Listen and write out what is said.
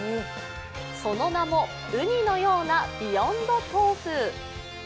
その名もうにのようなビヨンドとうふ。